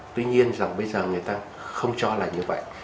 tuy nhiên rằng bây giờ người ta không cho là như vậy